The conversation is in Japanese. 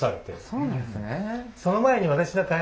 そうなんすね。